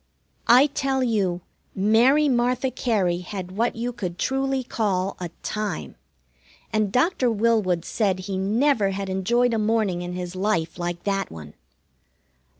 I tell you, Mary Martha Cary had what you could truly call a Time. And Doctor Willwood said he never had enjoyed a morning in his life like that one.